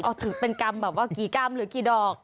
เอาถือเป็นกรรมแบบว่ากี่กรัมหรือกี่ดอก